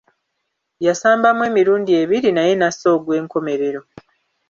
Yasambamu emirundi ebiri naye n’assa ogw’enkomerero.